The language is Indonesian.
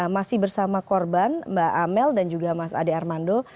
masih bersama korban mbak amel dan juga mas ade armando